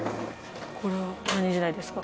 これは何時代ですか？